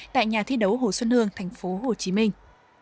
tại nhà thi đấu hồ xuân hương thành phố hồ chí minh